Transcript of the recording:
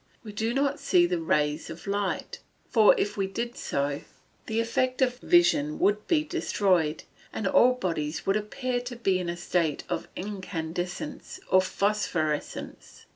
We do not see the rays of light, for if we did so, the effect of vision would be destroyed, and all bodies would appear to be in a state of incandesence, or of phosphoresence.